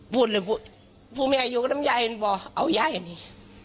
บูรณ์เลยบูรณ์ฟูแม่อยู่กับน้ำย่ายอันนี้บอกเอาย่ายอันนี้